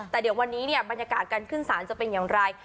แต่เดี๋ยววันนี้เนี่ยบรรยากาศการขึ้นศาลจะเป็นอย่างไร